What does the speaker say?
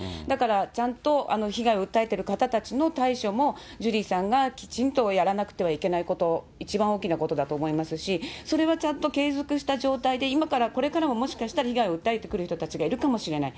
だから、ちゃんと被害を訴えている方たちの対処も、ジュリーさんがきちんとやらなくてはいけないこと、一番大きなことだと思いますし、それはちゃんと継続した状態で、今からこれからももしかしたら被害を訴えてくる人たちがいるかもしれない。